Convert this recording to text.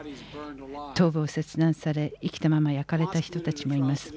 頭部を切断され生きたまま焼かれた人たちもいます。